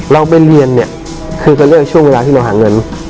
เราไปเรียนเนี่ยคือตอนแรกช่วงเวลาที่เราหาเงิน